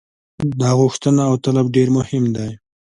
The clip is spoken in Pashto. دا غوښتنه او طلب ډېر مهم دی.